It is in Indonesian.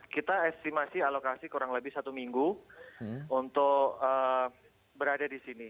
kita estimasi alokasi kurang lebih satu minggu untuk berada di sini